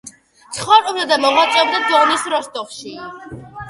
ცხოვრობდა და მოღვაწეობდა დონის როსტოვში.